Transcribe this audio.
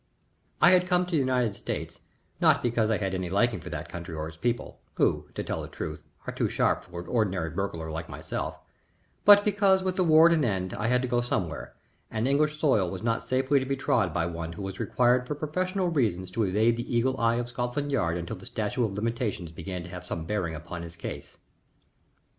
I had come to the United States, not because I had any liking for that country or its people, who, to tell the truth, are too sharp for an ordinary burglar like myself, but because with the war at an end I had to go somewhere, and English soil was not safely to be trod by one who was required for professional reasons to evade the eagle eye of Scotland Yard until the Statute of Limitations began to have some bearing upon his case.